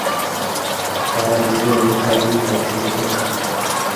তারা দুজনেই আইরিশ বংশোদ্ভূত ছিলেন।